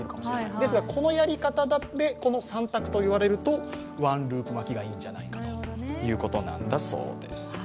ですが、このやり方でこの三択といわれるとワンループ巻きがいいんじゃないかということなんだそうです。